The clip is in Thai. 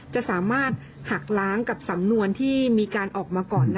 จะสามารถหักล้างกับสำนวนที่มีการออกมาก่อน